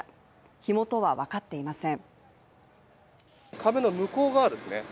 火元は分かっていません。